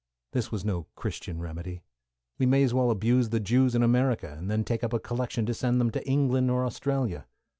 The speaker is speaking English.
This was no Christian remedy. We might as well abuse the Jews in America, and then take up a collection to send them to England or Australia.